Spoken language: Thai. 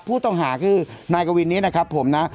ผู้ต้องหาคือนายกวินนี้นะครับผมนะ